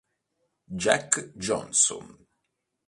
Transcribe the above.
Jack Johnson